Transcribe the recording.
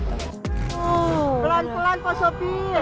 pelan pelan pak sofi